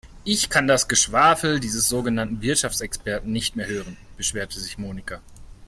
"Ich kann das Geschwafel dieses sogenannten Wirtschaftsexperten nicht mehr hören", beschwerte sich Monika.